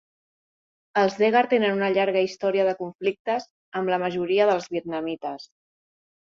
Els Degar tenen una llarga història de conflictes amb la majoria dels vietnamites.